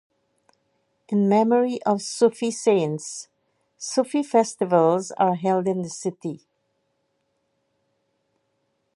In memory of Sufi saints, Sufi festivals are held in the city.